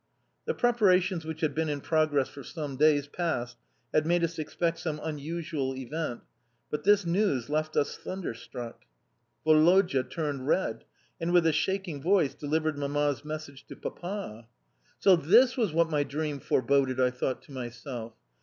The preparations which had been in progress for some days past had made us expect some unusual event, but this news left us thunderstruck, Woloda turned red, and, with a shaking voice, delivered Mamma's message to Papa. "So this was what my dream foreboded!" I thought to myself.